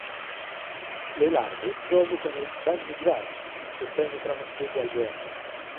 Le larve provocano danni gravi se penetrano negli alveari.